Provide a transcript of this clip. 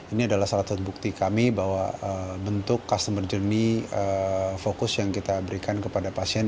ini adalah salah satu bukti kami bahwa bentuk customer journey fokus yang kita berikan kepada pasien